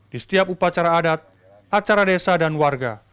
di setiap upacara adat acara desa dan warga